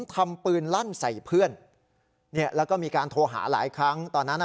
ทำปืนลั่นใส่เพื่อนเนี่ยแล้วก็มีการโทรหาหลายครั้งตอนนั้นอ่ะ